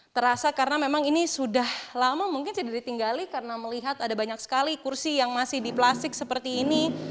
terasa karena memang ini sudah lama mungkin sudah ditinggali karena melihat ada banyak sekali kursi yang masih diplastik seperti ini